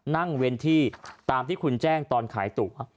เว้นที่ตามที่คุณแจ้งตอนขายตั๋ว